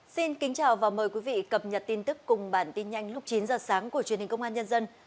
xin kính chào và mời quý vị cập nhật tin tức cùng bản tin nhanh lúc chín giờ sáng của truyền hình công an nhân dân